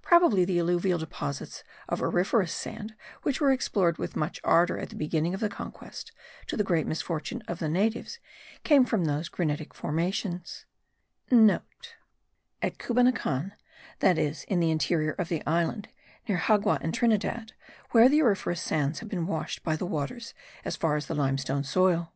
Probably the alluvial deposits of auriferous sand which were explored with much ardour* at the beginning of the conquest, to the great misfortune of the natives came from those granitic formations (* At Cubanacan, that is, in the interior of the island, near Jagua and Trinidad, where the auriferous sands have been washed by the waters as far as the limestone soil.